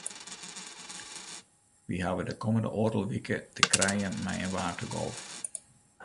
Wy hawwe de kommende oardel wike te krijen mei in waarmtegolf.